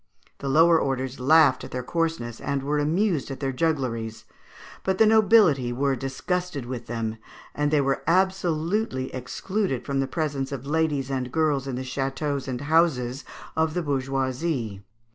The lower orders laughed at their coarseness, and were amused at their juggleries; but the nobility were disgusted with them, and they were absolutely excluded from the presence of ladies and girls in the châteaux and houses of the bourgeoisie.